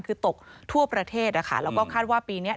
คือตกทั่วประเทศนะคะแล้วก็คาดว่าปีนี้